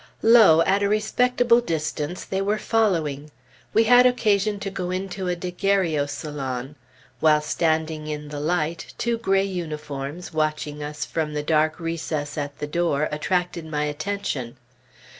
Lo! at a respectable distance they were following! We had occasion to go into a daguerreau salon. While standing in the light, two gray uniforms, watching us from the dark recess at the door, attracted my attention.